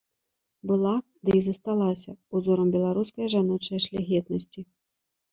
Была, ды і засталася, узорам беларускае жаночае шляхетнасці.